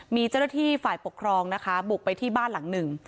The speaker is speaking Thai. มีเจ้าหน้าที่ฝ่ายปกครองนะคะบุกไปที่บ้านหลังหนึ่ง